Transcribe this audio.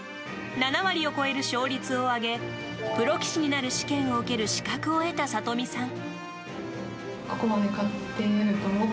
７割を超える勝率を挙げプロ棋士になる試験を受ける資格を得た里見さん。